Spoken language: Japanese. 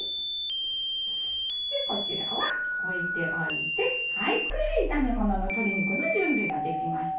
でこちらは置いておいてこれで炒め物の鶏肉の準備ができましたね。